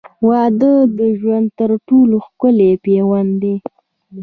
• واده د ژوند تر ټولو ښکلی پیوند دی.